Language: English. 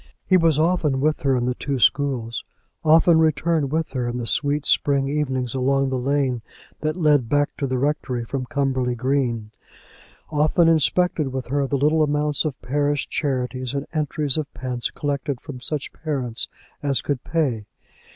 He was often with her in the two schools; often returned with her in the sweet spring evenings along the lane that led back to the rectory from Cumberly Green; often inspected with her the little amounts of parish charities and entries of pence collected from such parents as could pay.